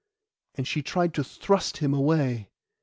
And she tried to thrust him away.